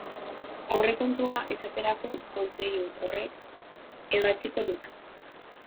Aurrekontua, esaterako, Kontseilu horrek ebatziko luke.